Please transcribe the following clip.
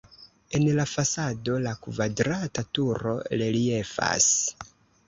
En la fasado la kvadrata turo reliefas.